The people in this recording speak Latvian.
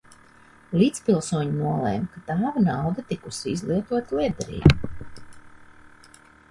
Līdzpilsoņi nolēma, ka tēva nauda tikusi izlietota lietderīgi.